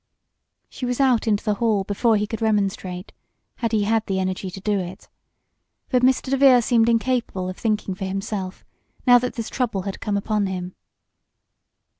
She was out into the hall before he could remonstrate, had he had the energy to do it. But Mr. DeVere seemed incapable of thinking for himself, now that this trouble had come upon him.